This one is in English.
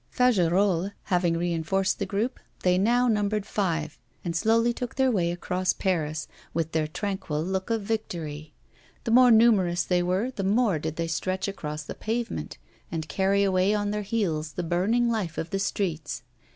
Fagerolles having reinforced the group, they now numbered five, and slowly they took their way across Paris, with their tranquil look of victory. The more numerous they were, the more did they stretch across the pavement, and carry away on their heels the burning life of the streets.